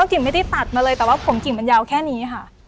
กิ่งไม่ได้ตัดมาเลยแต่ว่าผมกิ่งมันยาวแค่นี้ค่ะ